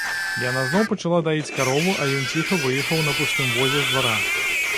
Яна зноў пачала даіць карову, а ён ціха выехаў на пустым возе з двара.